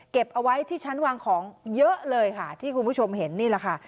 เอาไว้ที่ชั้นวางของเยอะเลยค่ะที่คุณผู้ชมเห็นนี่แหละค่ะ